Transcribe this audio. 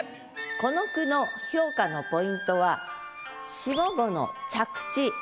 この句の評価のポイントは下五の着地